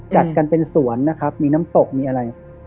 จัดกันเป็นสวนนะครับมีน้ำตกมีอะไร